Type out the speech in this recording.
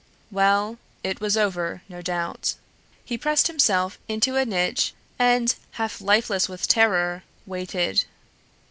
Well, it was over, no doubt. He pressed himself into a niche and, half lifeless with terror, waited.